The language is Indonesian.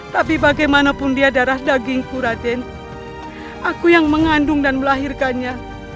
tapi bagaimanapun dia darah daging kuratine aku yang mengandung dan melahirkannya